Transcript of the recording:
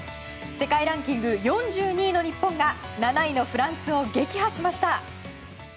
世界ランキング４２位の日本が７位のフランスを撃破しました。